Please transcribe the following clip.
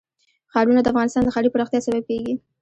ښارونه د افغانستان د ښاري پراختیا سبب کېږي.